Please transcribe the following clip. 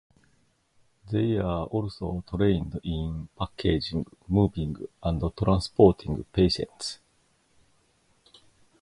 They are also trained in packaging, moving and transporting patients.